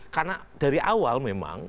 karena dari awal memang